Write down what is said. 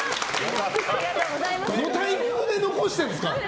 どのタイミングで残してるんですか！